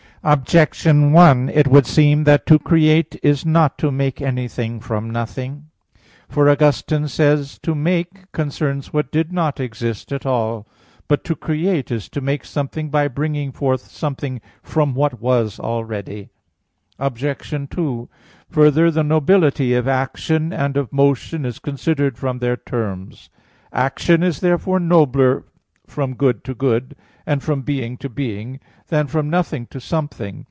Objection 1: It would seem that to create is not to make anything from nothing. For Augustine says (Contra Adv. Leg. et Proph. i): "To make concerns what did not exist at all; but to create is to make something by bringing forth something from what was already." Obj. 2: Further, the nobility of action and of motion is considered from their terms. Action is therefore nobler from good to good, and from being to being, than from nothing to something.